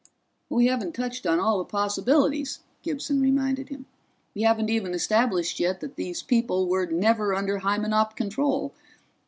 "We haven't touched on all the possibilities," Gibson reminded him. "We haven't even established yet that these people were never under Hymenop control.